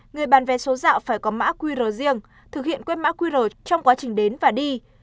người bán vé số dạo phải có mã qr riêng thực hiện quét mã qr trong quá trình đến và đi